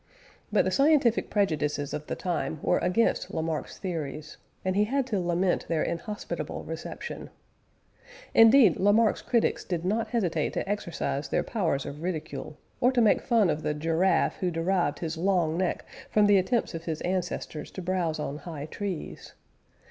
But the scientific prejudices of the time were against Lamarck's theories, and he had to lament their inhospitable reception. Indeed Lamarck's critics did not hesitate to exercise their powers of ridicule, or to make fun of the giraffe who derived his long neck from the attempts of his ancestors to browse on high trees.